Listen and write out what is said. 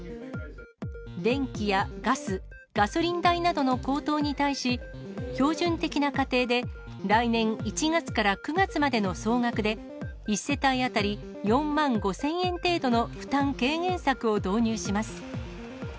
電気やガス、ガソリン代などの高騰に対し、標準的な家庭で、来年１月から９月までの総額で１世帯当たり４万５０００円程度の負担軽減策を導入します。